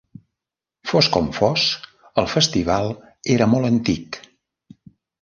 Fos com fos el festival era molt antic.